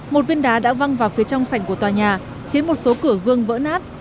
một viên đá đã văng vào phía trong sảnh của tòa nhà khiến một số cửa gương vỡ nát